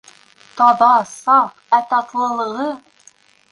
Таҙа, саф, ә татлылығы!